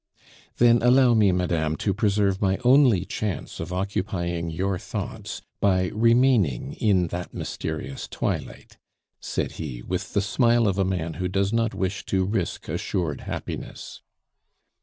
"Then allow me, madame, to preserve my only chance of occupying your thoughts by remaining in that mysterious twilight," said he, with the smile of a man who does not wish to risk assured happiness.